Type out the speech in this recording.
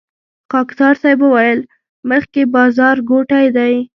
خاکسار صیب وويل مخکې بازارګوټی دی.